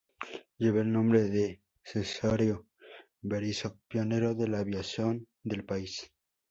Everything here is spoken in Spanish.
Lleva el nombre de Cesáreo L. Berisso, pionero de la aviación del país.